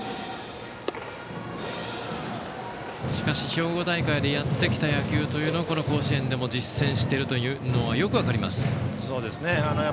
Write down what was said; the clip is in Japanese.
兵庫大会でやってきた野球というのをこの甲子園でも実践しているのはよく分かります。